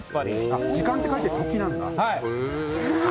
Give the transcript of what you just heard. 時間って書いて「とき」なんだ。